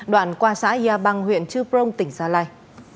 đoạn qua xã yà băng huyện chư prong tỉnh gia lai